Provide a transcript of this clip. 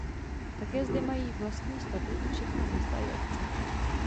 Také zde mají vlastní statut všechna města i obce.